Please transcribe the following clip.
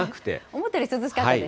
思ったより涼しかったです。